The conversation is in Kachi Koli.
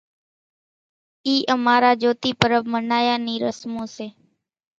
اِي امارا جھوتي پرٻ منايا نِي رسمون سي۔